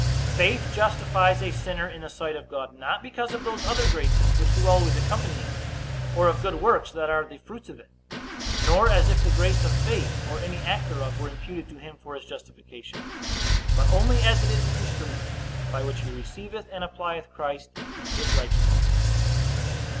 Faith justifies a sinner in the sight of God, not because of those other graces which do always accompany it, or of good works that are the fruits of it, nor as if the grace of faith, or any act thereof, were imputed to him for his justification; but only as it is an instrument by which he receiveth and applieth Christ and his righteousness.